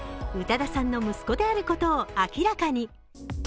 宇多田さんの息子であることを明らかに。